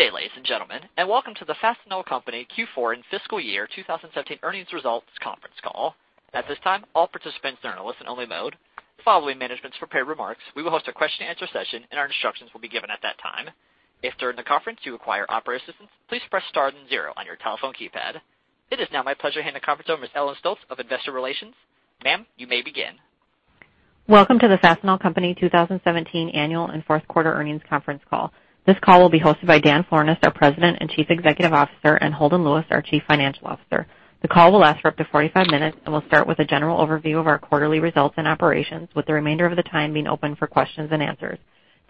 Good day, ladies and gentlemen, and welcome to the Fastenal Company Q4 and fiscal year 2017 earnings results conference call. At this time, all participants are in a listen-only mode. Following management's prepared remarks, we will host a question and answer session, and our instructions will be given at that time. If during the conference you require operator assistance, please press star and zero on your telephone keypad. It is now my pleasure to hand the conference over to Ellen Stolts of Investor Relations. Ma'am, you may begin. Welcome to the Fastenal Company 2017 annual and fourth quarter earnings conference call. This call will be hosted by Dan Florness, our President and Chief Executive Officer, and Holden Lewis, our Chief Financial Officer. The call will last for up to 45 minutes, and we'll start with a general overview of our quarterly results and operations, with the remainder of the time being open for questions and answers.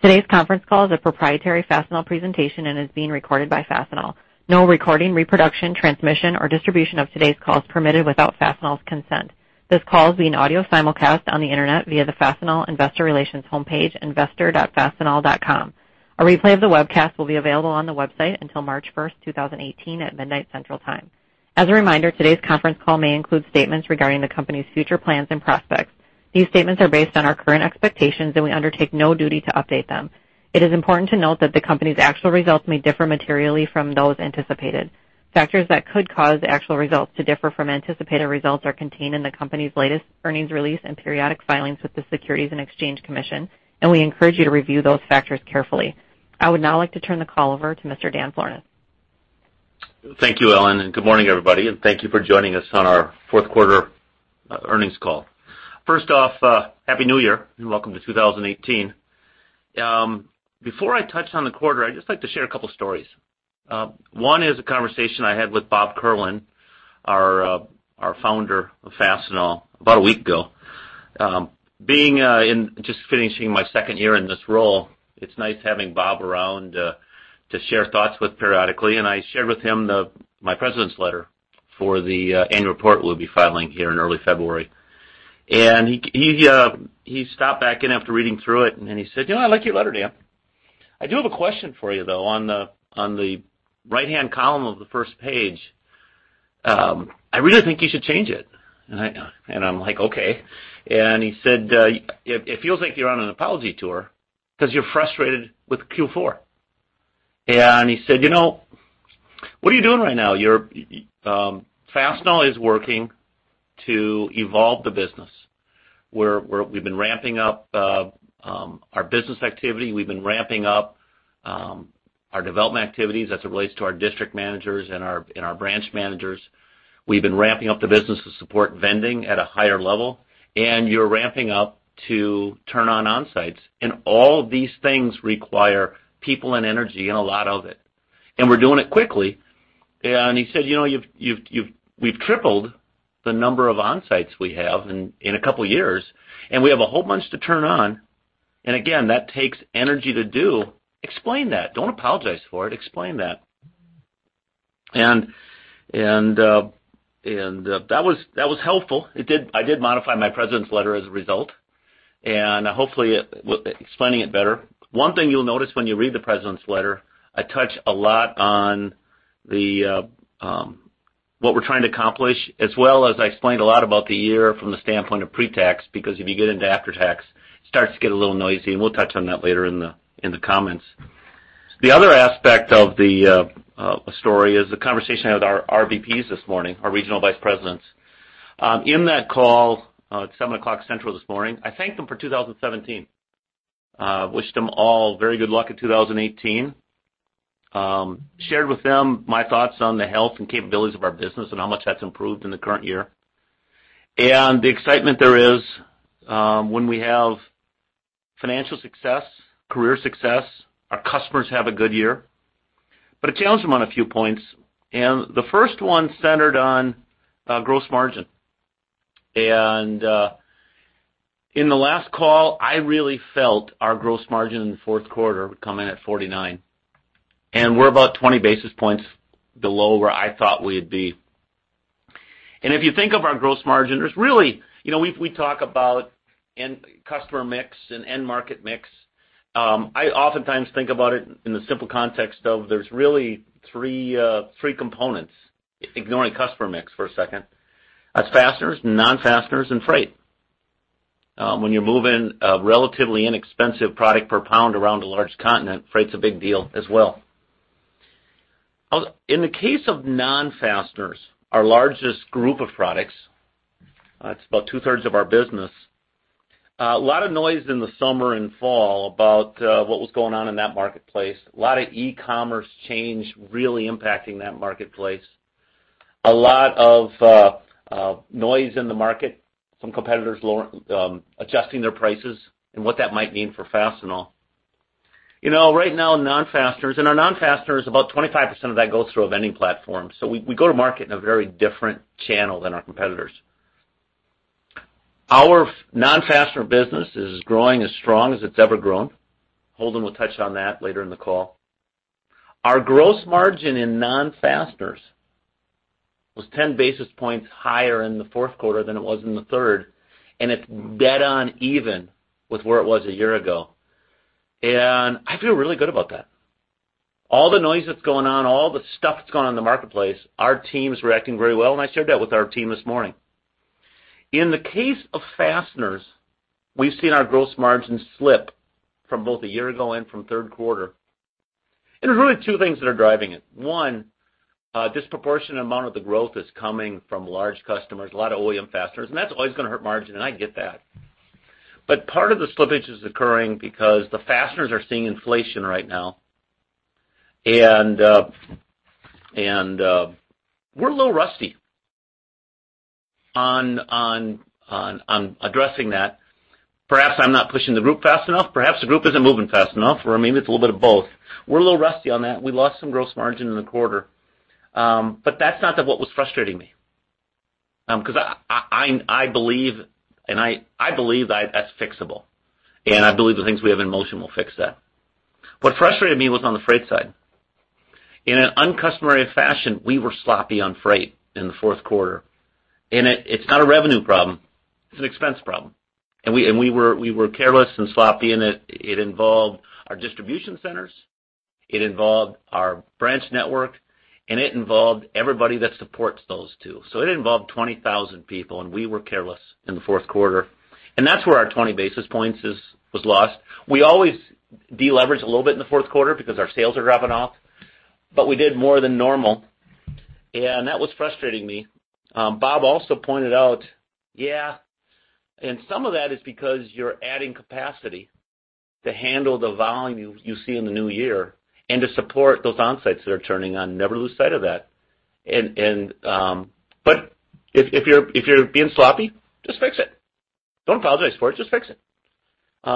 Today's conference call is a proprietary Fastenal presentation and is being recorded by Fastenal. No recording, reproduction, transmission, or distribution of today's call is permitted without Fastenal's consent. This call is being audio simulcast on the internet via the Fastenal Investor Relations homepage, investor.fastenal.com. A replay of the webcast will be available on the website until March 1st, 2018, at midnight Central Time. As a reminder, today's conference call may include statements regarding the company's future plans and prospects. These statements are based on our current expectations, and we undertake no duty to update them. It is important to note that the company's actual results may differ materially from those anticipated. Factors that could cause actual results to differ from anticipated results are contained in the company's latest earnings release and periodic filings with the Securities and Exchange Commission, and we encourage you to review those factors carefully. I would now like to turn the call over to Mr. Dan Florness. Thank you, Ellen, and good morning, everybody, and thank you for joining us on our fourth quarter earnings call. First off, Happy New Year and welcome to 2018. Before I touch on the quarter, I'd just like to share a couple stories. One is a conversation I had with Bob Kierlin, our founder of Fastenal, about a week ago. Being in just finishing my second year in this role, it's nice having Bob around to share thoughts with periodically, and I shared with him my president's letter for the annual report we'll be filing here in early February. He stopped back in after reading through it, and he said, "You know, I like your letter, Dan. I do have a question for you, though. On the right-hand column of the first page, I really think you should change it." I'm like, "Okay." He said, "It feels like you're on an apology tour because you're frustrated with Q4." He said, "What are you doing right now? Fastenal is working to evolve the business, where we've been ramping up our business activity. We've been ramping up our development activities as it relates to our district managers and our branch managers. We've been ramping up the business to support vending at a higher level. You're ramping up to turn on Onsites. All these things require people and energy and a lot of it. We're doing it quickly." He said, "We've tripled the number of Onsites we have in a couple years, and we have a whole bunch to turn on. Again, that takes energy to do. Explain that. Don't apologize for it. Explain that." That was helpful. I did modify my President's letter as a result, and hopefully explaining it better. One thing you'll notice when you read the President's letter, I touch a lot on what we're trying to accomplish, as well as I explained a lot about the year from the standpoint of pre-tax, because if you get into after-tax, it starts to get a little noisy, and we'll touch on that later in the comments. The other aspect of the story is the conversation I had with our RVPs this morning, our Regional Vice Presidents. In that call at 7:00 A.M. Central this morning, I thanked them for 2017, wished them all very good luck in 2018. Shared with them my thoughts on the health and capabilities of our business and how much that's improved in the current year, and the excitement there is when we have financial success, career success, our customers have a good year. I challenged them on a few points, and the first one centered on gross margin. In the last call, I really felt our gross margin in the fourth quarter would come in at 49%, and we're about 20 basis points below where I thought we'd be. If you think of our gross margin, there's really, we talk about customer mix and end market mix. I oftentimes think about it in the simple context of there's really three components, ignoring customer mix for a second. That's fasteners, non-fasteners, and freight. When you're moving a relatively inexpensive product per pound around a large continent, freight's a big deal as well. In the case of non-fasteners, our largest group of products, it's about two-thirds of our business. A lot of noise in the summer and fall about what was going on in that marketplace. A lot of eCommerce change really impacting that marketplace. A lot of noise in the market, some competitors adjusting their prices, and what that might mean for Fastenal. Right now, non-fasteners, and our non-fasteners, about 25% of that goes through a vending platform. We go to market in a very different channel than our competitors. Our non-Fastener business is growing as strong as it's ever grown. Holden will touch on that later in the call. Our gross margin in non-fasteners was 10 basis points higher in the fourth quarter than it was in the third, it's dead on even with where it was a year ago. I feel really good about that. All the noise that's going on, all the stuff that's going on in the marketplace, our team's reacting very well, I shared that with our team this morning. In the case of fasteners, we've seen our gross margins slip from both a year ago and from third quarter. There's really two things that are driving it. One, a disproportionate amount of the growth is coming from large customers, a lot of OEM fasteners, that's always going to hurt margin, I get that. Part of the slippage is occurring because the fasteners are seeing inflation right now, we're a little rusty on addressing that. Perhaps I'm not pushing the group fast enough. Perhaps the group isn't moving fast enough, maybe it's a little bit of both. We're a little rusty on that. We lost some gross margin in the quarter. That's not what was frustrating me. I believe that's fixable, I believe the things we have in motion will fix that. What frustrated me was on the freight side. In an uncustomary fashion, we were sloppy on freight in the fourth quarter, it's not a revenue problem, it's an expense problem. We were careless and sloppy, it involved our distribution centers, it involved our branch network, it involved everybody that supports those two. It involved 20,000 people, we were careless in the fourth quarter. That's where our 20 basis points was lost. We always de-leverage a little bit in the fourth quarter because our sales are dropping off, we did more than normal, that was frustrating me. Bob also pointed out, yeah, some of that is because you're adding capacity to handle the volume you see in the new year and to support those Onsites that are turning on. Never lose sight of that. If you're being sloppy, just fix it. Don't apologize for it, just fix it. That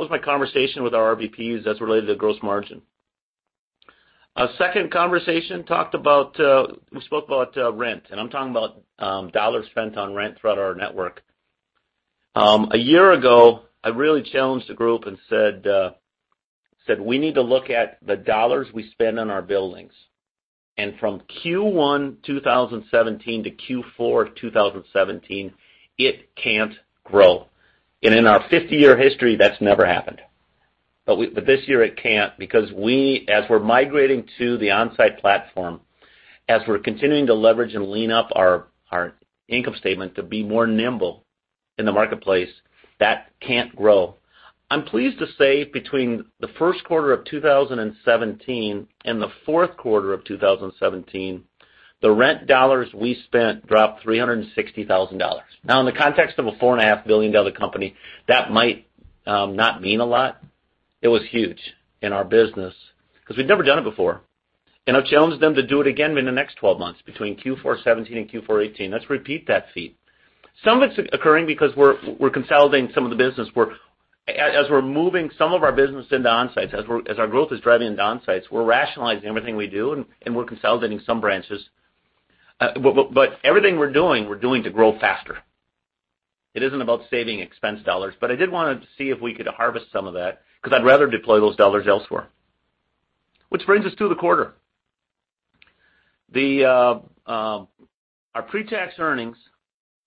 was my conversation with our RVPs as related to gross margin. A second conversation, we spoke about rent, I'm talking about dollars spent on rent throughout our network. A year ago, I really challenged the group said, "We need to look at the dollars we spend on our buildings, from Q1 2017 to Q4 2017, it can't grow." In our 50-year history, that's never happened. This year it can't because as we're migrating to the Onsite platform, as we're continuing to leverage and lean up our income statement to be more nimble in the marketplace, that can't grow. I'm pleased to say between the first quarter of 2017 and the fourth quarter of 2017, the rent dollars we spent dropped $360,000. Now, in the context of a $4.5 billion company, that might not mean a lot. It was huge in our business because we'd never done it before. I've challenged them to do it again in the next 12 months, between Q4 2017 and Q4 2018. Let's repeat that feat. Some of it's occurring because we're consolidating some of the business. As we're moving some of our business into Onsites, as our growth is driving into Onsites, we're rationalizing everything we do, and we're consolidating some branches. Everything we're doing, we're doing to grow faster. It isn't about saving expense dollars. I did want to see if we could harvest some of that, because I'd rather deploy those dollars elsewhere. Which brings us to the quarter. Our pre-tax earnings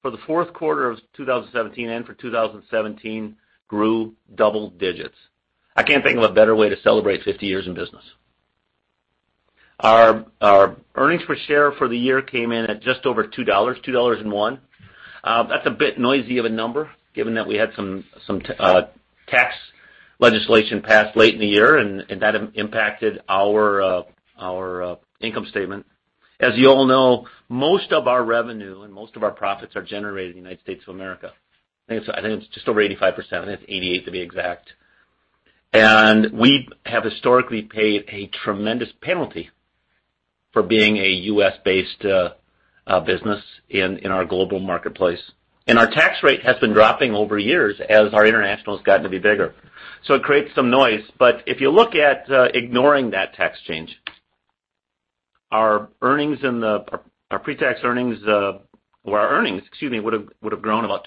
for the fourth quarter of 2017 and for 2017 grew double digits. I can't think of a better way to celebrate 50 years in business. Our earnings per share for the year came in at just over $2, $2.01. That's a bit noisy of a number, given that we had some tax legislation passed late in the year, and that impacted our income statement. As you all know, most of our revenue and most of our profits are generated in the United States of America. I think it's just over 85%, I think it's 88% to be exact. We have historically paid a tremendous penalty for being a U.S.-based business in our global marketplace. Our tax rate has been dropping over years as our international's gotten to be bigger. It creates some noise. If you look at ignoring that tax change, our earnings would've grown about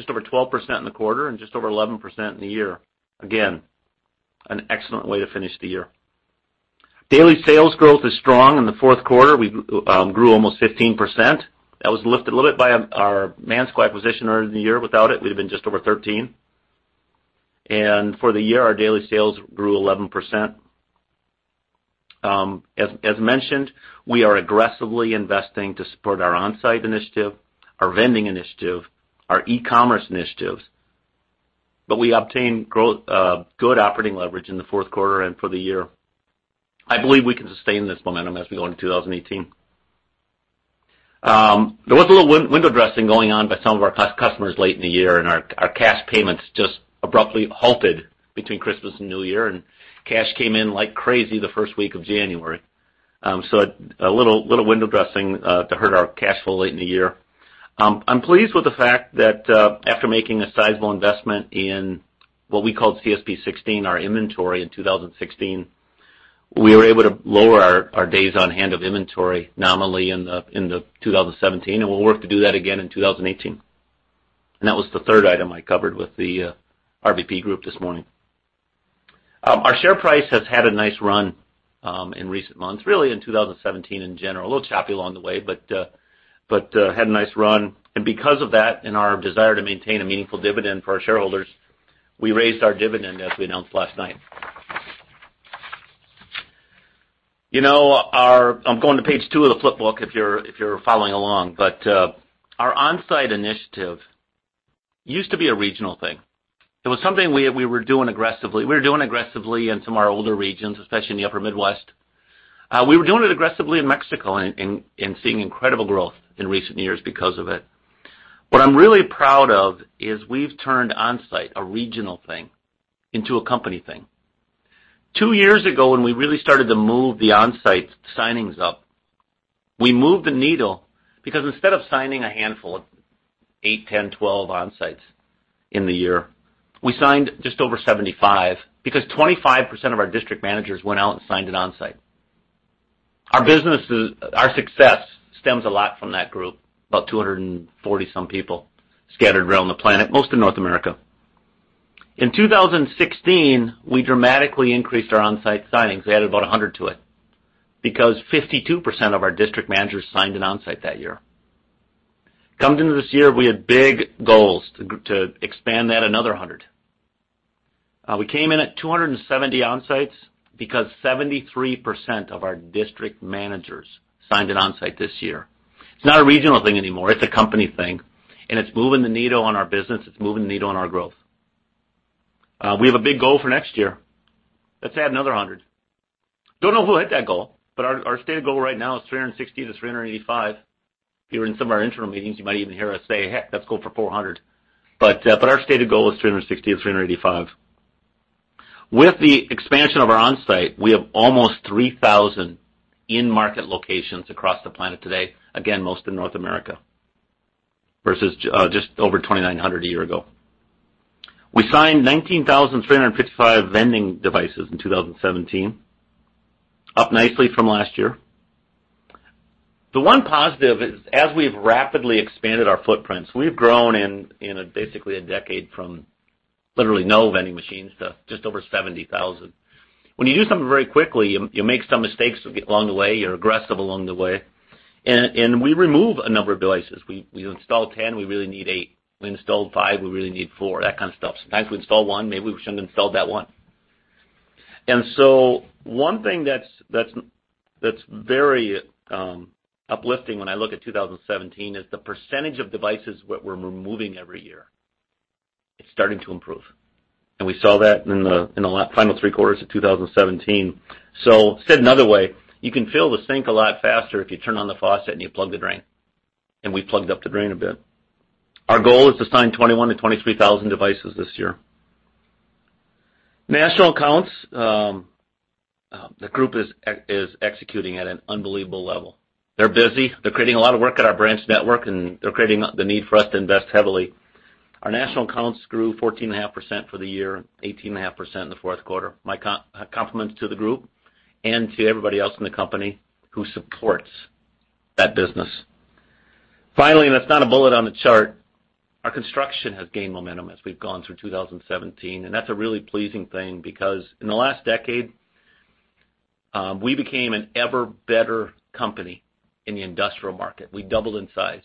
just over 12% in the quarter and just over 11% in the year. Again, an excellent way to finish the year. Daily sales growth is strong in the fourth quarter. We grew almost 15%. That was lifted a little bit by our Mansco acquisition earlier in the year. Without it, we'd have been just over 13%. For the year, our daily sales grew 11%. As mentioned, we are aggressively investing to support our Onsite initiative, our vending initiative, our eCommerce initiatives. We obtained good operating leverage in the fourth quarter and for the year. I believe we can sustain this momentum as we go into 2018. There was a little window dressing going on by some of our customers late in the year, and our cash payments just abruptly halted between Christmas and New Year, and cash came in like crazy the first week of January. A little window dressing to hurt our cash flow late in the year. I'm pleased with the fact that after making a sizable investment in what we called CSP 16, our inventory in 2016, we were able to lower our days on hand of inventory nominally in 2017, and we'll work to do that again in 2018. That was the third item I covered with the RVPs group this morning. Our share price has had a nice run in recent months, really in 2017 in general. A little choppy along the way, but had a nice run. Because of that and our desire to maintain a meaningful dividend for our shareholders, we raised our dividend as we announced last night. I'm going to page two of the flip book if you're following along. Our Onsite initiative used to be a regional thing. It was something we were doing aggressively in some of our older regions, especially in the Upper Midwest. We were doing it aggressively in Mexico and seeing incredible growth in recent years because of it. What I'm really proud of is we've turned Onsite, a regional thing, into a company thing. Two years ago, when we really started to move the Onsite signings up, we moved the needle, because instead of signing a handful of eight, 10, 12 Onsites in the year, we signed just over 75 because 25% of our district managers went out and signed an Onsite. Our success stems a lot from that group, about 240-some people scattered around the planet, most in North America. In 2016, we dramatically increased our Onsite signings. We added about 100 to it because 52% of our district managers signed an Onsite that year. Coming into this year, we had big goals to expand that another 100. We came in at 270 Onsites because 73% of our district managers signed an Onsite this year. It's not a regional thing anymore. It's a company thing, and it's moving the needle on our business. It's moving the needle on our growth. We have a big goal for next year. Let's add another 100. Don't know if we'll hit that goal, but our stated goal right now is 360-385. If you were in some of our internal meetings, you might even hear us say, "Hey, let's go for 400." Our stated goal is 360-385. With the expansion of our Onsite, we have almost 3,000 in-market locations across the planet today, again, most in North America, versus just over 2,900 a year ago. We signed 19,355 vending devices in 2017, up nicely from last year. The one positive is as we've rapidly expanded our footprints, we've grown in basically a decade from literally no vending machines to just over 70,000. When you do something very quickly, you make some mistakes along the way. You're aggressive along the way. We remove a number of devices. We install 10, we really need 8. We installed 5, we really need 4. That kind of stuff. Sometimes we install 1, maybe we shouldn't install that 1. One thing that's very uplifting when I look at 2017 is the percentage of devices what we're removing every year. It's starting to improve. We saw that in the final three quarters of 2017. Said another way, you can fill the sink a lot faster if you turn on the faucet and you plug the drain, we plugged up the drain a bit. Our goal is to sign 21,000-23,000 devices this year. National Accounts. The group is executing at an unbelievable level. They're busy. They're creating a lot of work at our branch network, they're creating the need for us to invest heavily. Our National Accounts grew 14.5% for the year, 18.5% in the fourth quarter. My compliments to the group and to everybody else in the company who supports that business. Finally, it's not a bullet on the chart, our construction has gained momentum as we've gone through 2017, that's a really pleasing thing because in the last decade, we became an ever better company in the industrial market. We doubled in size.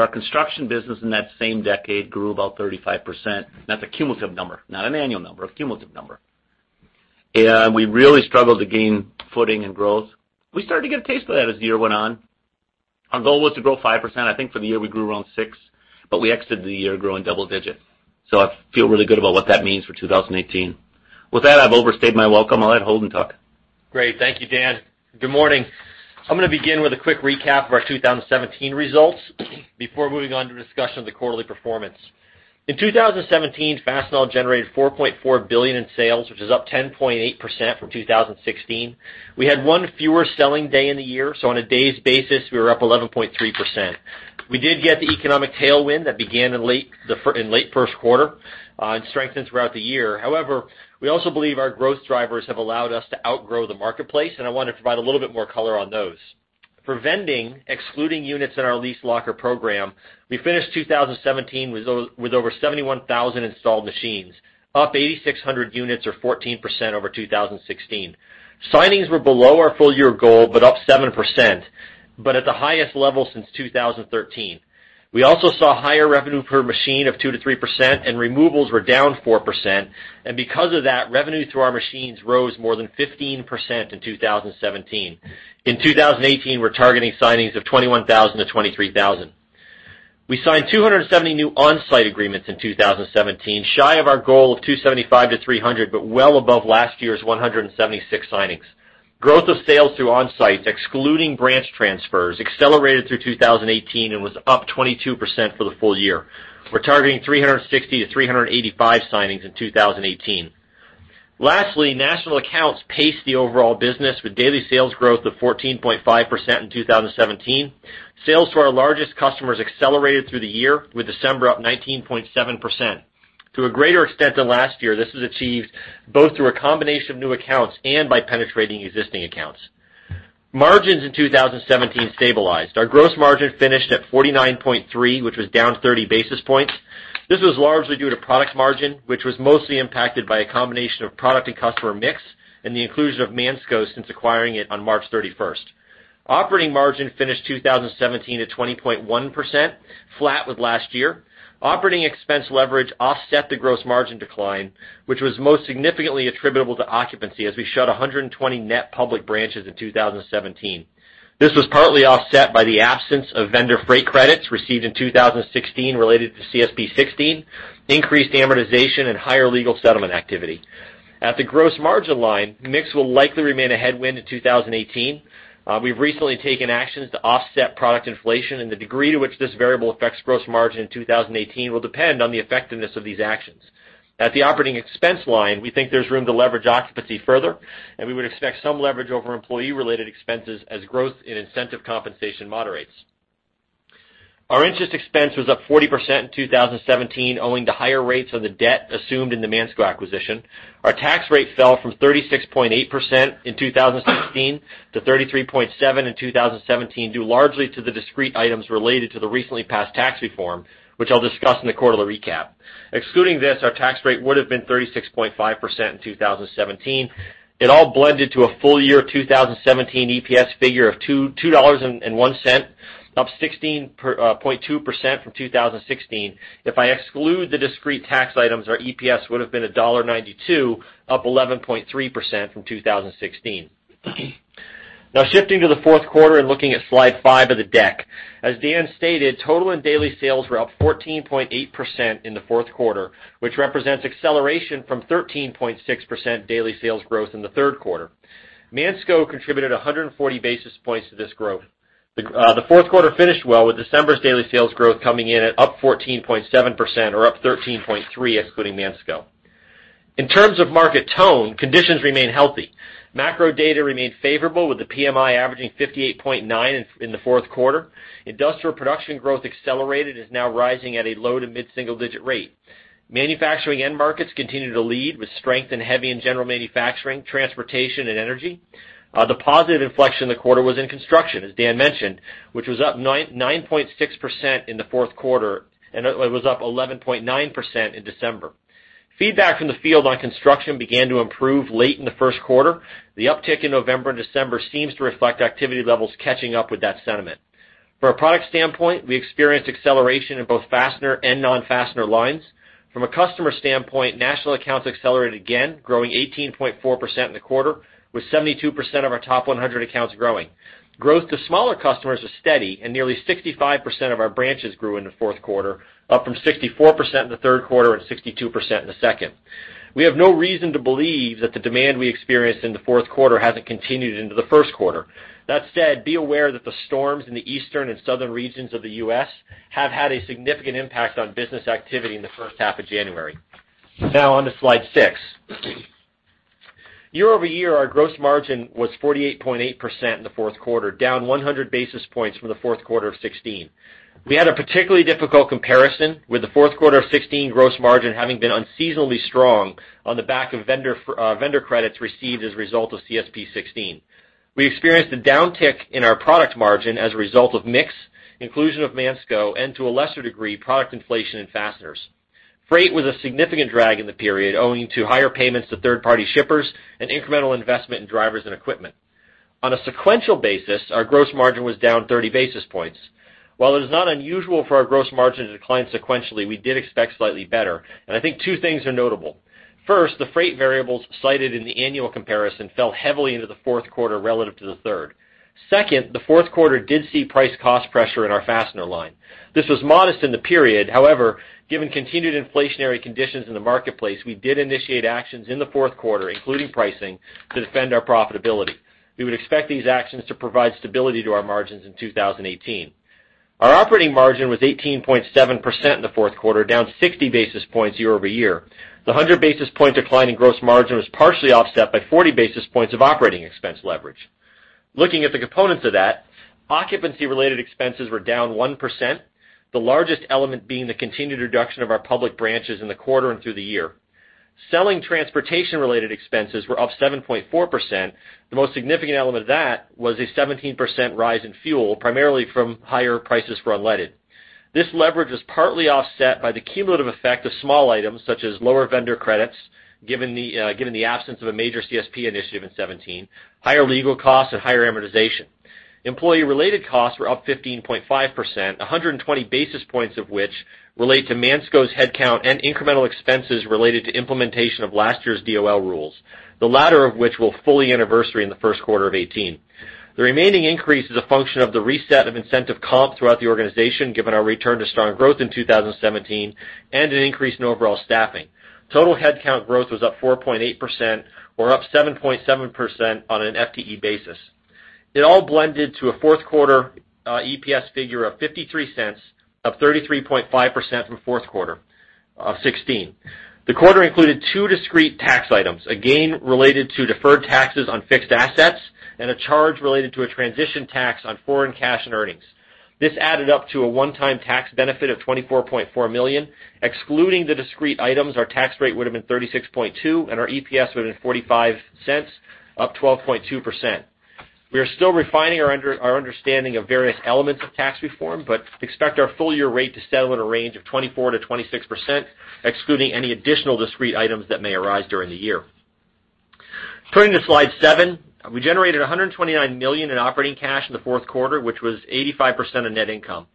Our construction business in that same decade grew about 35%. That's a cumulative number, not an annual number, a cumulative number. We really struggled to gain footing and growth. We started to get a taste of that as the year went on. Our goal was to grow 5%. I think for the year, we grew around 6%, but we exited the year growing double digits. I feel really good about what that means for 2018. With that, I've overstayed my welcome. I'll let Holden talk. Great. Thank you, Dan. Good morning. I'm going to begin with a quick recap of our 2017 results before moving on to discussion of the quarterly performance. In 2017, Fastenal generated $4.4 billion in sales, which is up 10.8% from 2016. We had one fewer selling day in the year, on a day's basis, we were up 11.3%. We did get the economic tailwind that began in late first quarter and strengthened throughout the year. However, we also believe our growth drivers have allowed us to outgrow the marketplace, and I want to provide a little bit more color on those. For vending, excluding units in our Lease Locker program, we finished 2017 with over 71,000 installed machines, up 8,600 units or 14% over 2016. Signings were below our full year goal, but up 7%, but at the highest level since 2013. We also saw higher revenue per machine of 2%-3%, and removals were down 4%. Because of that, revenue through our machines rose more than 15% in 2017. In 2018, we're targeting signings of 21,000-23,000. We signed 270 new Onsite agreements in 2017, shy of our goal of 275-300, but well above last year's 176 signings. Growth of sales through Onsites, excluding branch transfers, accelerated through 2018 and was up 22% for the full year. We're targeting 360-385 signings in 2018. Lastly, National Accounts paced the overall business with daily sales growth of 14.5% in 2017. Sales to our largest customers accelerated through the year, with December up 19.7%. To a greater extent than last year, this was achieved both through a combination of new accounts and by penetrating existing accounts. Margins in 2017 stabilized. Our gross margin finished at 49.3%, which was down 30 basis points. This was largely due to product margin, which was mostly impacted by a combination of product and customer mix and the inclusion of Mansco since acquiring it on March 31st. Operating margin finished 2017 at 20.1%, flat with last year. Operating expense leverage offset the gross margin decline, which was most significantly attributable to occupancy as we shut 120 net public branches in 2017. This was partly offset by the absence of vendor freight credits received in 2016 related to CSP 16, increased amortization, and higher legal settlement activity. At the gross margin line, mix will likely remain a headwind in 2018. We've recently taken actions to offset product inflation, and the degree to which this variable affects gross margin in 2018 will depend on the effectiveness of these actions. At the operating expense line, we think there's room to leverage occupancy further, and we would expect some leverage over employee-related expenses as growth in incentive compensation moderates. Our interest expense was up 40% in 2017, owing to higher rates on the debt assumed in the Mansco acquisition. Our tax rate fell from 36.8% in 2016 to 33.7% in 2017, due largely to the discrete items related to the recently passed tax reform, which I'll discuss in the quarterly recap. Excluding this, our tax rate would've been 36.5% in 2017. It all blended to a full-year 2017 EPS figure of $2.01, up 16.2% from 2016. If I exclude the discrete tax items, our EPS would've been $1.92, up 11.3% from 2016. Now, shifting to the fourth quarter and looking at slide five of the deck. As Dan stated, total and daily sales were up 14.8% in the fourth quarter, which represents acceleration from 13.6% daily sales growth in the third quarter. Mansco contributed 140 basis points to this growth. The fourth quarter finished well with December's daily sales growth coming in at up 14.7%, or up 13.3% excluding Mansco. In terms of market tone, conditions remain healthy. Macro data remained favorable, with the PMI averaging 58.9 in the fourth quarter. Industrial production growth accelerated and is now rising at a low to mid-single-digit rate. Manufacturing end markets continue to lead, with strength in heavy and general manufacturing, transportation, and energy. The positive inflection in the quarter was in construction, as Dan mentioned, which was up 9.6% in the fourth quarter and it was up 11.9% in December. Feedback from the field on construction began to improve late in the first quarter. The uptick in November and December seems to reflect activity levels catching up with that sentiment. From a product standpoint, we experienced acceleration in both fastener and non-fastener lines. From a customer standpoint, National Accounts accelerated again, growing 18.4% in the quarter, with 72% of our top 100 accounts growing. Growth to smaller customers was steady and nearly 65% of our branches grew in the fourth quarter, up from 64% in the third quarter and 62% in the second. We have no reason to believe that the demand we experienced in the fourth quarter hasn't continued into the first quarter. That said, be aware that the storms in the eastern and southern regions of the U.S. have had a significant impact on business activity in the first half of January. Now on to slide six. Year-over-year, our gross margin was 48.8% in the fourth quarter, down 100 basis points from the fourth quarter of 2016. We had a particularly difficult comparison with the fourth quarter of 2016 gross margin having been unseasonably strong on the back of vendor credits received as a result of CSP 16. We experienced a downtick in our product margin as a result of mix, inclusion of Mansco, and to a lesser degree, product inflation in fasteners. Freight was a significant drag in the period, owing to higher payments to third-party shippers and incremental investment in drivers and equipment. On a sequential basis, our gross margin was down 30 basis points. While it is not unusual for our gross margin to decline sequentially, we did expect slightly better, and I think two things are notable. First, the freight variables cited in the annual comparison fell heavily into the fourth quarter relative to the third. Second, the fourth quarter did see price-cost pressure in our fastener line. This was modest in the period. However, given continued inflationary conditions in the marketplace, we did initiate actions in the fourth quarter, including pricing, to defend our profitability. We would expect these actions to provide stability to our margins in 2018. Our operating margin was 18.7% in the fourth quarter, down 60 basis points year-over-year. The 100 basis point decline in gross margin was partially offset by 40 basis points of operating expense leverage. Looking at the components of that, occupancy-related expenses were down 1%, the largest element being the continued reduction of our public branches in the quarter and through the year. Selling transportation-related expenses were up 7.4%. The most significant element of that was a 17% rise in fuel, primarily from higher prices for unleaded. This leverage was partly offset by the cumulative effect of small items such as lower vendor credits, given the absence of a major CSP initiative in 2017, higher legal costs, and higher amortization. Employee-related costs were up 15.5%, 120 basis points of which relate to Mansco's headcount and incremental expenses related to implementation of last year's DOL rules, the latter of which will fully anniversary in the first quarter of 2018. The remaining increase is a function of the reset of incentive comp throughout the organization, given our return to strong growth in 2017 and an increase in overall staffing. Total headcount growth was up 4.8%, or up 7.7% on an FTE basis. It all blended to a fourth quarter EPS figure of $0.53, up 33.5% from the fourth quarter of 2016. The quarter included two discrete tax items, a gain related to deferred taxes on fixed assets and a charge related to a transition tax on foreign cash and earnings. This added up to a one-time tax benefit of $24.4 million. Excluding the discrete items, our tax rate would've been 36.2% and our EPS would've been $0.45, up 12.2%. We are still refining our understanding of various elements of tax reform, but expect our full-year rate to settle in a range of 24%-26%, excluding any additional discrete items that may arise during the year. Turning to slide seven, we generated $129 million in operating cash in the fourth quarter, which was 85% of net income.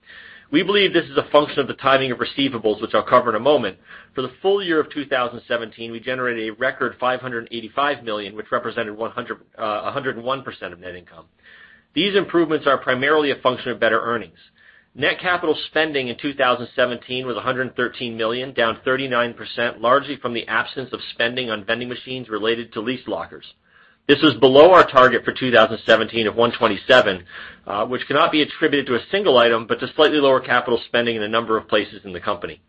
We believe this is a function of the timing of receivables, which I'll cover in a moment. For the full year of 2017, we generated a record $585 million, which represented 101% of net income. These improvements are primarily a function of better earnings. Net capital spending in 2017 was $113 million, down 39%, largely from the absence of spending on vending machines related to leased lockers. This was below our target for 2017 of 127, which cannot be attributed to a single item, but to slightly lower capital spending in a number of places in the company.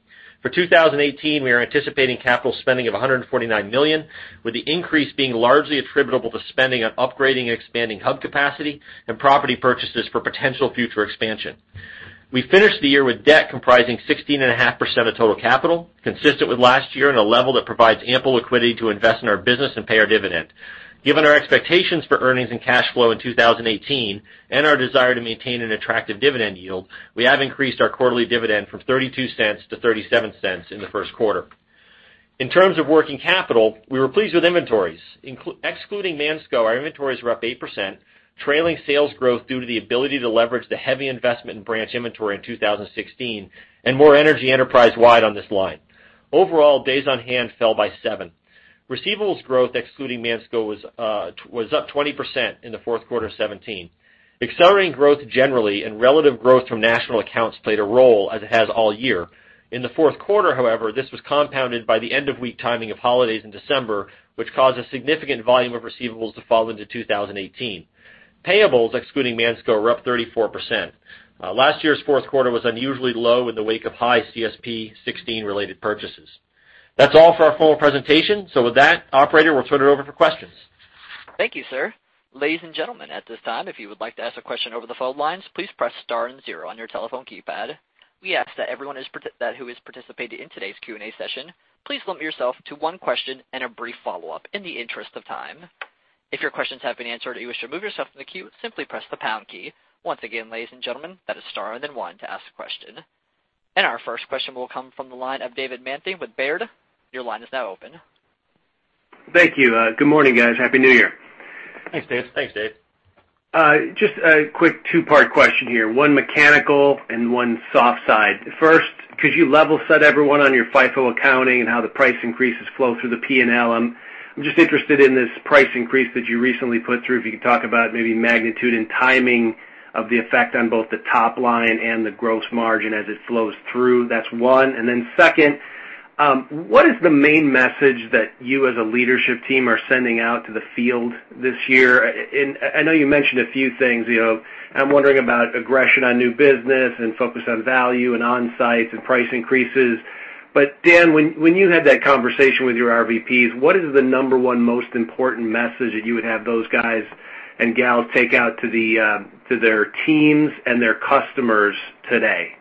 For 2018, we are anticipating capital spending of $149 million, with the increase being largely attributable to spending on upgrading and expanding hub capacity and property purchases for potential future expansion. We finished the year with debt comprising 16.5% of total capital, consistent with last year in a level that provides ample liquidity to invest in our business and pay our dividend. Given our expectations for earnings and cash flow in 2018 and our desire to maintain an attractive dividend yield, we have increased our quarterly dividend from $0.32 to $0.37 in the first quarter. In terms of working capital, we were pleased with inventories. Excluding Mansco, our inventories were up 8%, trailing sales growth due to the ability to leverage the heavy investment in branch inventory in 2016 and more energy enterprise-wide on this line. Overall, days on hand fell by seven. Receivables growth, excluding Mansco, was up 20% in the fourth quarter of 2017. Accelerating growth generally and relative growth from National Accounts played a role, as it has all year. In the fourth quarter, however, this was compounded by the end-of-week timing of holidays in December, which caused a significant volume of receivables to fall into 2018. Payables, excluding Mansco, were up 34%. Last year's fourth quarter was unusually low in the wake of high CSP 16 related purchases. That's all for our formal presentation. With that, operator, we'll turn it over for questions. Thank you, sir. Ladies and gentlemen, at this time, if you would like to ask a question over the phone lines, please press star and 0 on your telephone keypad. We ask that who has participated in today's Q&A session, please limit yourself to one question and a brief follow-up in the interest of time. If your questions have been answered and you wish to remove yourself from the queue, simply press the pound key. Once again, ladies and gentlemen, that is star and then 1 to ask a question. Our first question will come from the line of David Manthey with Baird. Your line is now open. Thank you. Good morning, guys. Happy New Year. Thanks, Dave. Just a quick two-part question here, one mechanical and one soft side. First, could you level set everyone on your FIFO accounting and how the price increases flow through the P&L? I am just interested in this price increase that you recently put through. If you could talk about maybe magnitude and timing of the effect on both the top line and the gross margin as it flows through. That is one. Then second, what is the main message that you as a leadership team are sending out to the field this year? I know you mentioned a few things. I am wondering about aggression on new business and focus on value and Onsite to price increases. Dan, when you had that conversation with your RVPs, what is the number 1 most important message that you would have those guys and gals take out to their teams and their customers today? I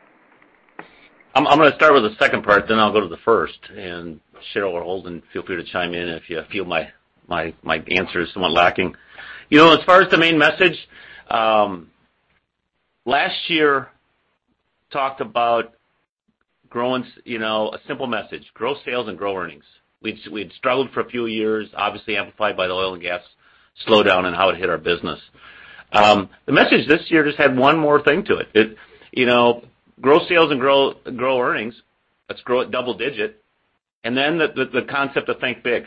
am going to start with the second part, then I will go to the first, and Sheryl or Holden, feel free to chime in if you feel my answer is somewhat lacking. As far as the main message, last year talked about a simple message, grow sales and grow earnings. We had struggled for a few years, obviously amplified by the oil and gas slowdown and how it hit our business. The message this year just had one more thing to it. Grow sales and grow earnings. Let us grow it double digit, then the concept of think big.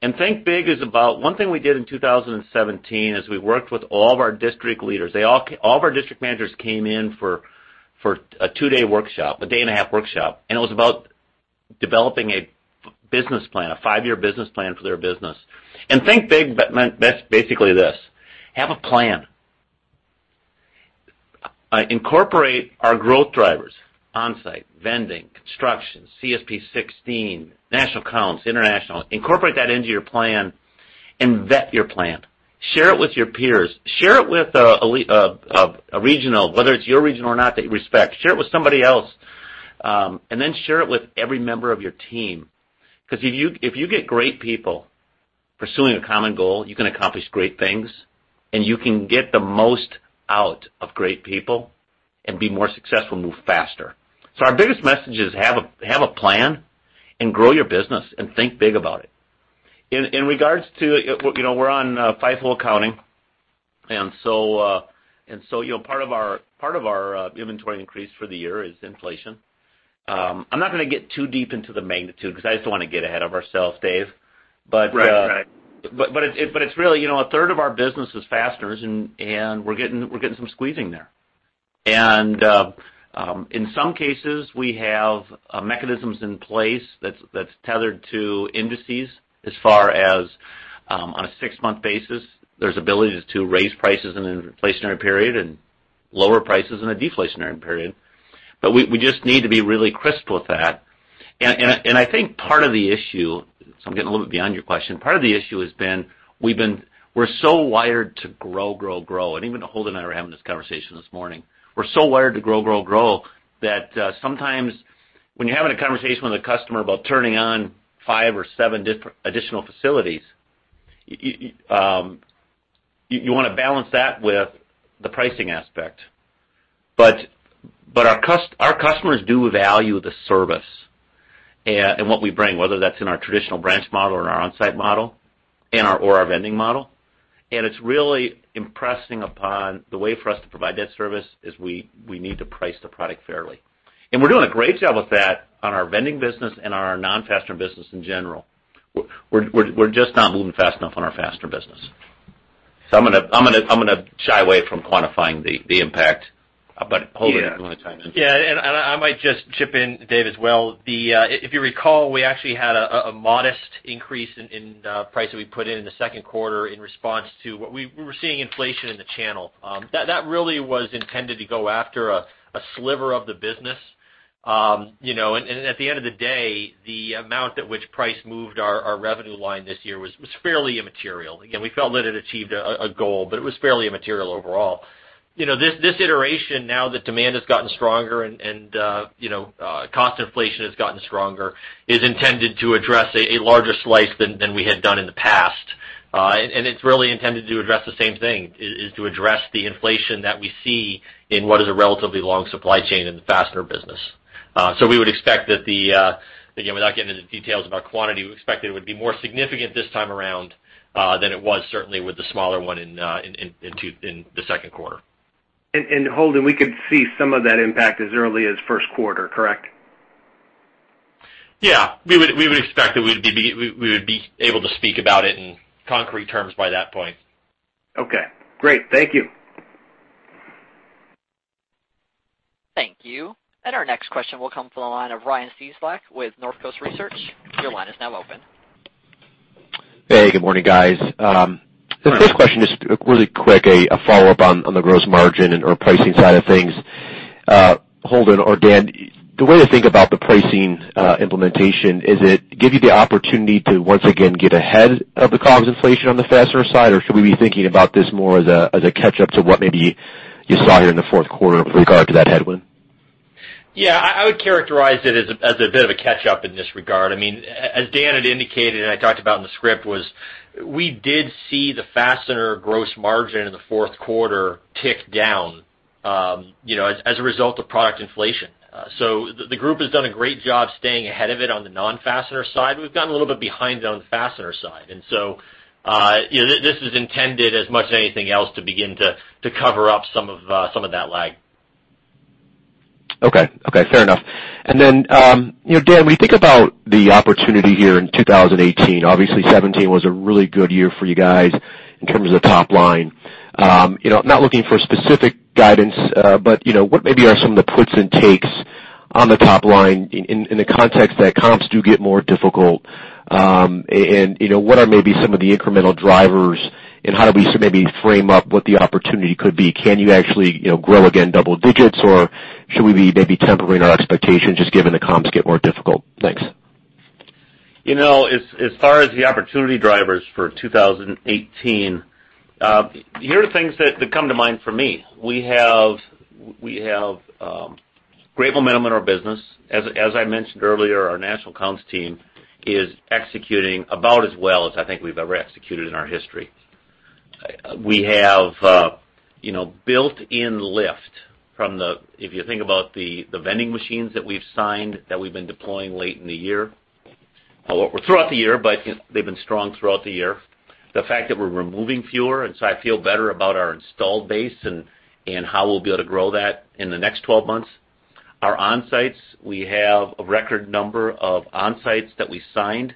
Think big is about one thing we did in 2017, as we worked with all of our district leaders. All of our district managers came in for a two-day workshop, a day and a half workshop, and it was about developing a five-year business plan for their business. Think big meant basically this, have a plan. Incorporate our growth drivers, Onsite, vending, construction, CSP 16, National Accounts, international. Incorporate that into your plan and vet your plan. Share it with your peers. Share it with a regional, whether it is your regional or not, that you respect. Share it with somebody else, then share it with every member of your team. Because if you get great people pursuing a common goal, you can accomplish great things, and you can get the most out of great people and be more successful, move faster. Our biggest message is have a plan and grow your business and think big about it. In regards to, we are on FIFO accounting, so part of our inventory increase for the year is inflation. I am not going to get too deep into the magnitude because I just do not want to get ahead of ourselves, Dave. Right. It's really a third of our business is fasteners, we're getting some squeezing there. In some cases, we have mechanisms in place that's tethered to indices as far as on a 6-month basis, there's ability to raise prices in an inflationary period and lower prices in a deflationary period. We just need to be really crisp with that. I think part of the issue, so I'm getting a little bit beyond your question, part of the issue has been we're so wired to grow. Even Holden and I were having this conversation this morning. We're so wired to grow that sometimes when you're having a conversation with a customer about turning on five or seven additional facilities, you want to balance that with the pricing aspect Our customers do value the service and what we bring, whether that's in our traditional branch model or in our Onsite model, or our vending model. It's really impressing upon the way for us to provide that service, is we need to price the product fairly. We're doing a great job with that on our vending business and our non-fastener business in general. We're just not moving fast enough on our fastener business. I'm going to shy away from quantifying the impact. Holden, do you want to chime in? Yeah. I might just chip in, Dave, as well. If you recall, we actually had a modest increase in price that we put in the second quarter in response to what we were seeing, inflation in the channel. That really was intended to go after a sliver of the business. At the end of the day, the amount at which price moved our revenue line this year was fairly immaterial. Again, we felt that it achieved a goal, but it was fairly immaterial overall. This iteration now that demand has gotten stronger and cost inflation has gotten stronger, is intended to address a larger slice than we had done in the past. It's really intended to address the same thing, is to address the inflation that we see in what is a relatively long supply chain in the fastener business. We would expect that the, again, without getting into the details of our quantity, we expect it would be more significant this time around, than it was certainly with the smaller one in the second quarter. Holden, we could see some of that impact as early as first quarter, correct? Yeah. We would expect that we would be able to speak about it in concrete terms by that point. Okay, great. Thank you. Thank you. Our next question will come from the line of Ryan Cieslak with North Coast Research. Your line is now open. Hey, good morning, guys. The first question is really quick, a follow-up on the gross margin or pricing side of things. Holden or Dan, the way to think about the pricing implementation, is it give you the opportunity to once again get ahead of the cost inflation on the fastener side, or should we be thinking about this more as a catch-up to what maybe you saw here in the fourth quarter with regard to that headwind? Yeah, I would characterize it as a bit of a catch-up in this regard. As Dan had indicated and I talked about in the script, was we did see the fastener gross margin in the fourth quarter tick down as a result of product inflation. The group has done a great job staying ahead of it on the non-fastener side. We've gotten a little bit behind on the fastener side. This is intended as much as anything else to begin to cover up some of that lag. Okay. Fair enough. Dan, when you think about the opportunity here in 2018, obviously 2017 was a really good year for you guys in terms of the top line. I'm not looking for specific guidance, but what maybe are some of the puts and takes on the top line in the context that comps do get more difficult? What are maybe some of the incremental drivers, and how do we maybe frame up what the opportunity could be? Can you actually grow again double digits, or should we be maybe tempering our expectations just given the comps get more difficult? Thanks. As far as the opportunity drivers for 2018, here are things that come to mind for me. We have great momentum in our business. As I mentioned earlier, our National Accounts team is executing about as well as I think we've ever executed in our history. We have built-in lift from the, if you think about the vending machines that we've signed, that we've been deploying late in the year. Throughout the year, they've been strong throughout the year. The fact that we're removing fewer, I feel better about our installed base and how we'll be able to grow that in the next 12 months. Our Onsites, we have a record number of Onsites that we signed.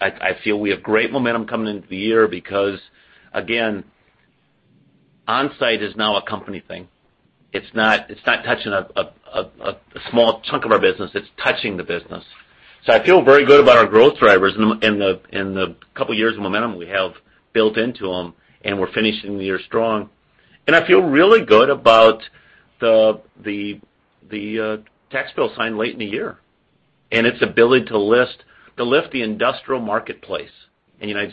I feel we have great momentum coming into the year because, again, Onsite is now a company thing. It's not touching a small chunk of our business. It's touching the business. I feel very good about our growth drivers and the couple of years of momentum we have built into them, we're finishing the year strong. I feel really good about the tax bill signed late in the year and its ability to lift the industrial marketplace in the U.S.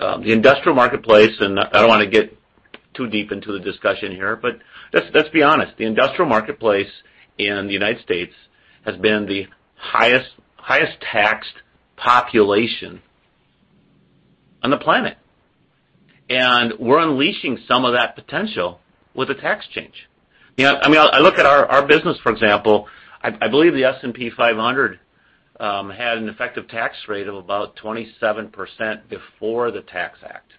The industrial marketplace, and I don't want to get too deep into the discussion here, but let's be honest, the industrial marketplace in the U.S. has been the highest taxed population on the planet. We're unleashing some of that potential with the tax change. I look at our business, for example. I believe the S&P 500 had an effective tax rate of about 27% before the Tax Act.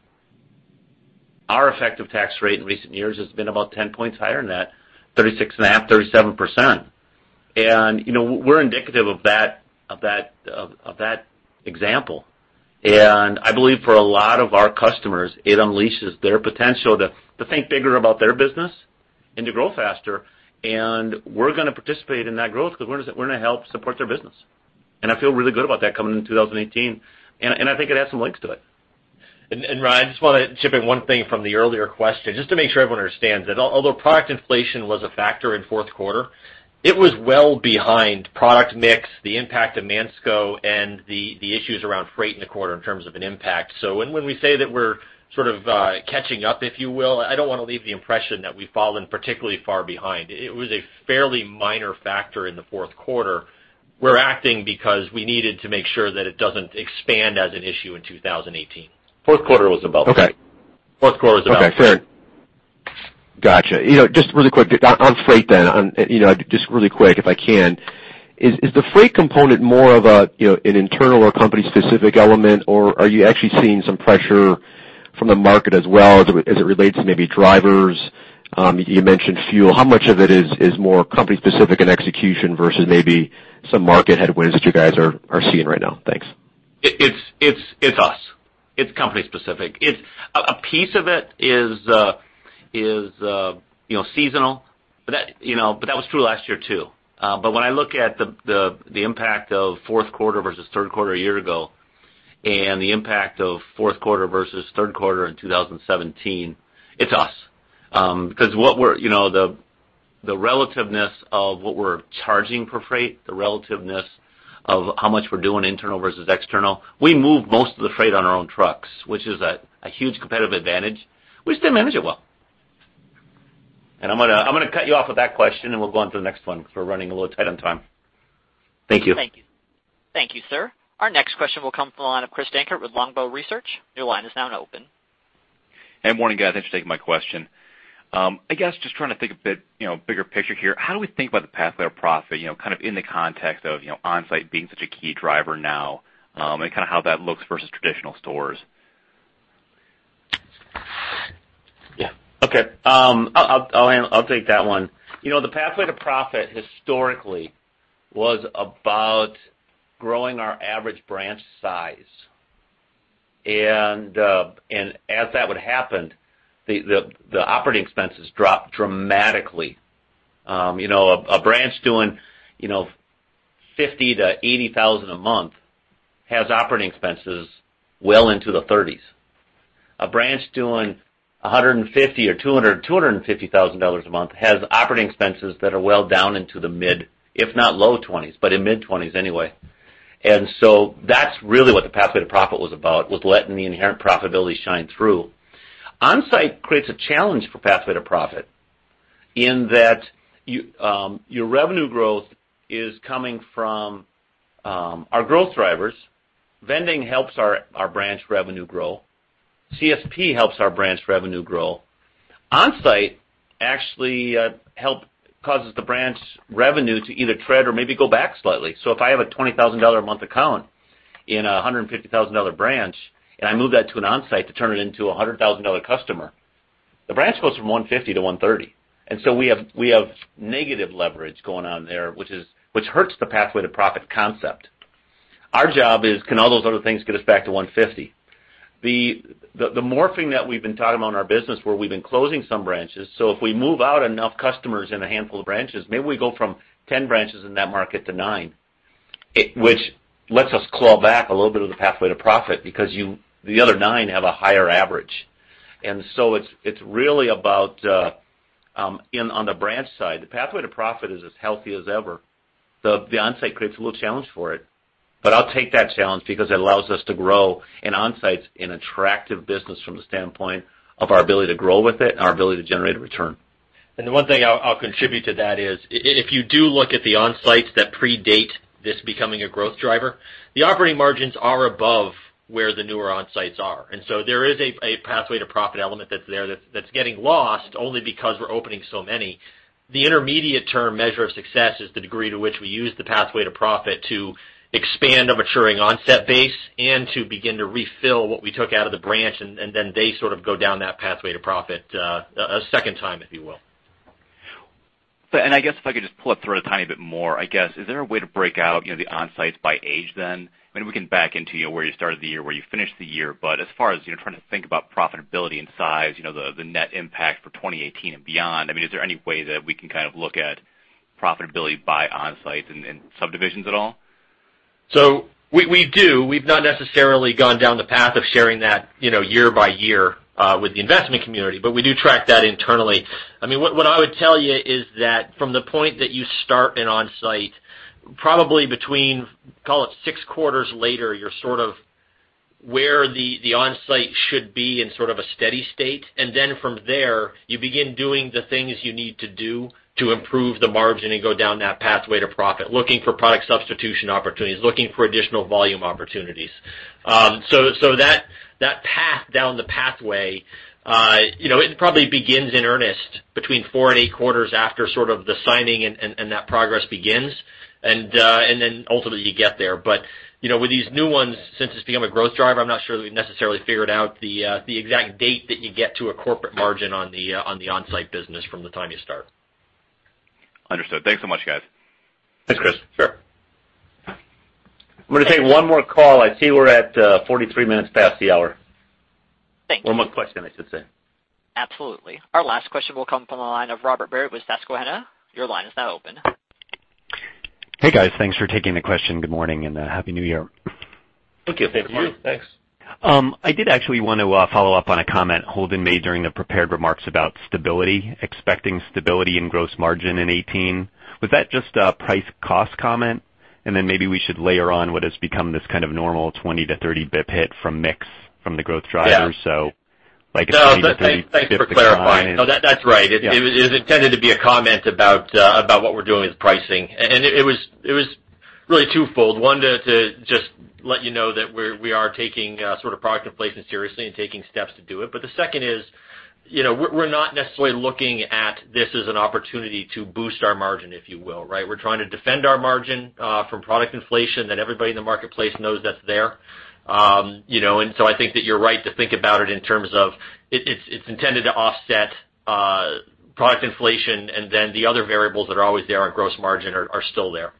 Our effective tax rate in recent years has been about 10 points higher than that, 36.5%, 37%. We're indicative of that example. I believe for a lot of our customers, it unleashes their potential to think bigger about their business and to grow faster. We're going to participate in that growth because we're going to help support their business. I feel really good about that coming into 2018. I think it has some legs to it. Ryan, I just want to chip in one thing from the earlier question, just to make sure everyone understands that although product inflation was a factor in fourth quarter, it was well behind product mix, the impact of Mansco, and the issues around freight in the quarter in terms of an impact. When we say that we're sort of catching up, if you will, I don't want to leave the impression that we've fallen particularly far behind. It was a fairly minor factor in the fourth quarter. We're acting because we needed to make sure that it doesn't expand as an issue in 2018. Fourth quarter was about it. Okay. Fourth quarter was about it. Okay, fair enough. Got you. Just really quick, on freight, just really quick, if I can. Is the freight component more of an internal or company-specific element, or are you actually seeing some pressure from the market as well as it relates to maybe drivers? You mentioned fuel. How much of it is more company-specific and execution versus maybe some market headwinds that you guys are seeing right now? Thanks. It's us. It's company-specific. A piece of it is seasonal, but that was true last year, too. When I look at the impact of fourth quarter versus third quarter a year ago, and the impact of fourth quarter versus third quarter in 2017, it's us. The relativeness of what we're charging for freight, the relativeness of how much we're doing internal versus external, we move most of the freight on our own trucks, which is a huge competitive advantage, which they manage it well. I'm going to cut you off with that question, and we'll go on to the next one because we're running a little tight on time. Thank you. Thank you. Thank you, sir. Our next question will come from the line of Christopher Dankert with Longbow Research. Your line is now open. Hey, morning, guys. Thanks for taking my question. I guess, just trying to think a bit bigger picture here. How do we think about the pathway to profit in the context of Onsite being such a key driver now and how that looks versus traditional stores? Yeah. Okay. I'll take that one. The pathway to profit historically was about growing our average branch size. As that would happen, the operating expenses dropped dramatically. A branch doing $50,000-$80,000 a month has operating expenses well into the 30s. A branch doing $150,000 or $200,000, $250,000 a month has operating expenses that are well down into the mid, if not low 20s, but in mid-20s anyway. So that's really what the pathway to profit was about, was letting the inherent profitability shine through. Onsite creates a challenge for pathway to profit in that your revenue growth is coming from our growth drivers. Vending helps our branch revenue grow. CSP helps our branch revenue grow. Onsite actually causes the branch revenue to either tread or maybe go back slightly. If I have a $20,000 a month account in a $150,000 branch and I move that to an Onsite to turn it into a $100,000 customer, the branch goes from $150,000 to $130,000. So we have negative leverage going on there, which hurts the pathway to profit concept. Our job is, can all those other things get us back to $150,000? The morphing that we've been talking about in our business where we've been closing some branches, if we move out enough customers in a handful of branches, maybe we go from 10 branches in that market to nine, which lets us claw back a little bit of the pathway to profit because the other nine have a higher average. So it's really about on the branch side. The pathway to profit is as healthy as ever. The Onsite creates a little challenge for it, I'll take that challenge because it allows us to grow in Onsites an attractive business from the standpoint of our ability to grow with it and our ability to generate a return. The one thing I'll contribute to that is, if you do look at the Onsites that predate this becoming a growth driver, the operating margins are above where the newer Onsites are. There is a pathway to profit element that's there that's getting lost only because we're opening so many. The intermediate-term measure of success is the degree to which we use the pathway to profit to expand a maturing Onsite base and to begin to refill what we took out of the branch, they sort of go down that pathway to profit a second time, if you will. I guess if I could just pull it through a tiny bit more. I guess, is there a way to break out the Onsites by age then? Maybe we can back into where you started the year, where you finished the year. As far as trying to think about profitability and size, the net impact for 2018 and beyond, is there any way that we can look at profitability by Onsites and subdivisions at all? We do. We've not necessarily gone down the path of sharing that year by year with the investment community, we do track that internally. What I would tell you is that from the point that you start an Onsite, probably between, call it six quarters later, you're sort of where the Onsite should be in sort of a steady state. From there, you begin doing the things you need to do to improve the margin and go down that pathway to profit, looking for product substitution opportunities, looking for additional volume opportunities. That path down the pathway, it probably begins in earnest between four and eight quarters after sort of the signing and that progress begins. Ultimately you get there. With these new ones, since it's become a growth driver, I'm not sure that we've necessarily figured out the exact date that you get to a corporate margin on the Onsite business from the time you start. Understood. Thanks so much, guys. Thanks, Chris. Sure. I'm going to take one more call. I see we're at 43 minutes past the hour. Thank you. One more question, I should say. Absolutely. Our last question will come from the line of Robert Barry with Susquehanna. Your line is now open. Hey, guys. Thanks for taking the question. Good morning and happy New Year. Thank you. Thank you. Thanks. I did actually want to follow up on a comment Holden made during the prepared remarks about stability, expecting stability in gross margin in 2018. Was that just a price cost comment? Then maybe we should layer on what has become this kind of normal 20 to 30 bip hit from mix from the growth drivers. Yeah. Like a 20 to 30 bip decline. Thanks for clarifying. No, that's right. Yeah. It was intended to be a comment about what we're doing with pricing. It was Really twofold. One, to just let you know that we are taking sort of product inflation seriously and taking steps to do it. The second is, we're not necessarily looking at this as an opportunity to boost our margin, if you will, right? We're trying to defend our margin from product inflation that everybody in the marketplace knows that's there. I think that you're right to think about it in terms of it's intended to offset product inflation and then the other variables that are always there on gross margin are still there.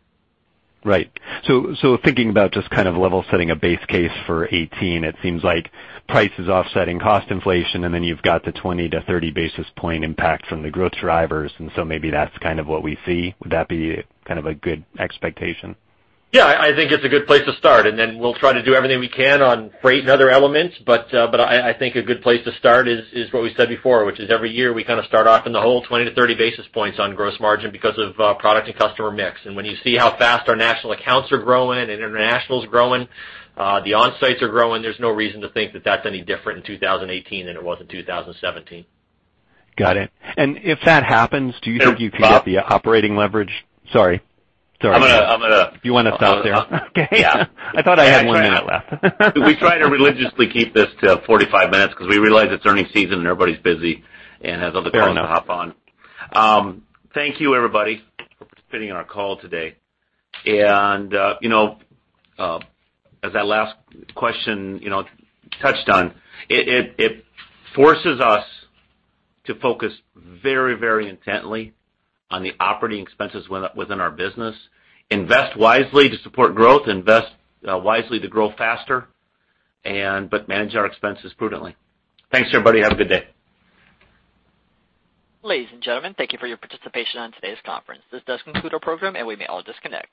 Right. Thinking about just kind of level setting a base case for 2018, it seems like price is offsetting cost inflation, you've got the 20 basis point-30 basis point impact from the growth drivers, maybe that's kind of what we see. Would that be kind of a good expectation? I think it's a good place to start, then we'll try to do everything we can on freight and other elements. I think a good place to start is what we said before, which is every year we kind of start off in the hole 20-30 basis points on gross margin because of product and customer mix. When you see how fast our National Accounts are growing and international's growing, the Onsites are growing, there's no reason to think that that's any different in 2018 than it was in 2017. Got it. If that happens, do you think you could get the operating leverage? Sorry. I'm gonna Do you wanna stop there? Okay. Yeah. I thought I had one minute left. We try to religiously keep this to 45 minutes because we realize it's earnings season and everybody's busy and has other calls. Fair enough. To hop on. Thank you everybody for participating in our call today. As that last question touched on, it forces us to focus very intently on the operating expenses within our business, invest wisely to support growth, invest wisely to grow faster, but manage our expenses prudently. Thanks everybody. Have a good day. Ladies and gentlemen, thank you for your participation on today's conference. This does conclude our program and we may all disconnect.